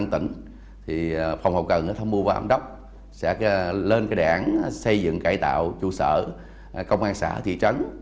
thì phòng hậu cần tham mưu và ẩm đốc sẽ lên đảng xây dựng cải tạo trụ sở công an xã thị trấn